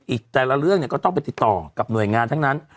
อีกแต่ละเรื่องก็ต้องไปติดต่อกับหน่วยงานทั้งนั้น